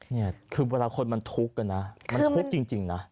เนี่ยคือเวลาคนมันทุกข์นะมันทุกข์จริงนะ